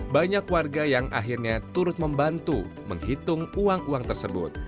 banyak warga yang akhirnya turut membantu menghitung uang uang tersebut